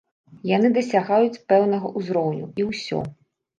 Яны дасягаюць пэўнага ўзроўню, і ўсё.